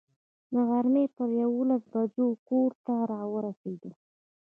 د غرمې پر یوولسو بجو کور ته را ورسېدو.